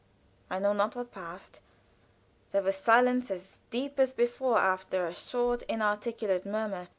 I know not what passed. There was silence as deep as before, after one short, inarticulate murmur.